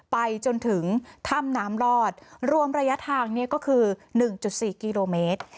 ไปจนถึงถ้ำน้ำลอดรวมระยะทางเนี่ยก็คือ๑๔กิโลเมตร